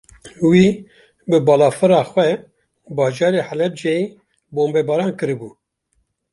Wî, bi balafira xwe bajarê Helebceyê bombebaran kiribû